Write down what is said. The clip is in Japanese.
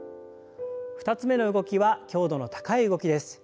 ２つ目の動きは強度の高い動きです。